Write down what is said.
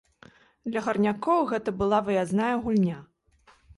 Для гарнякоў гэта была выязная гульня.